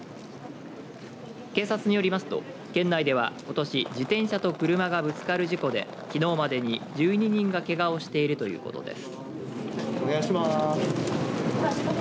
警察によりますと県内ではことし自転車と車がぶつかる事故できのうまでに１２人がけがをしているということです。